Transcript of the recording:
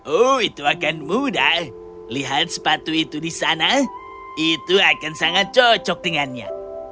oh itu akan mudah lihat sepatu itu di sana itu akan sangat cocok dengannya